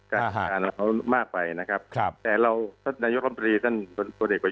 และคอยรับไว้กับรบจำนวนด้านน้ำนะครับ